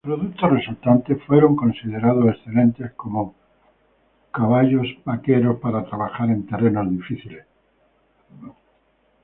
Los productos resultantes fueron considerados excelentes como caballos vaqueros para trabajar en terrenos difíciles.